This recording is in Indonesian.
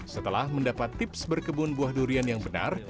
setelah mendapat tips berkebun buah durian yang benar